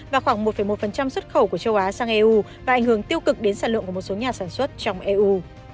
và khoảng một một xuất khẩu của châu á sang eu và ảnh hưởng tiêu cực đến sản lượng của một số nhà sản xuất trong eu